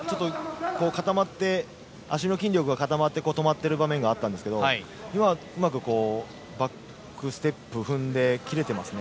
足の筋力が固まって止まっている部分があったんですが今はうまくバックステップを踏んで切れていますね。